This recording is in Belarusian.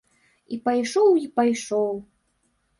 І пайшоў, і пайшоў.